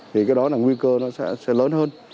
thì cái đó là nguy cơ nó sẽ lớn hơn